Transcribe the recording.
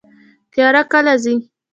تیاره کله ځي؟